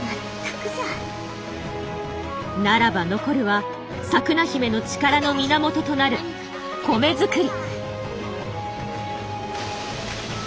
ならば残るはサクラヒメの力の源となる米作り。